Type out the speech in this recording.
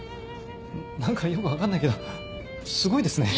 何かよく分かんないけどすごいですね。